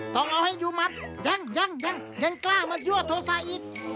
ต้องเอาให้ดูมัดยังยังกล้ามายั่วโทษะอีก